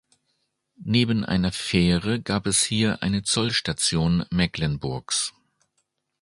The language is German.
Neben einer Fähre gab es hier eine Zollstation Mecklenburgs.